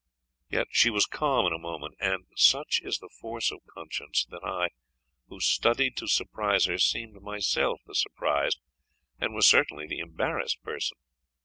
Yet she was calm in a moment; and such is the force of conscience, that I, who studied to surprise her, seemed myself the surprised, and was certainly the embarrassed person.